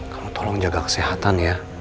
kamu tolong jaga kesehatan ya